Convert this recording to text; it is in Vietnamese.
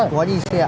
cháu đi xe